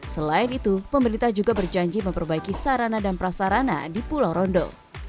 selain itu pemerintah juga berjanji memperbaiki sarana dan prasarana di pulau rondo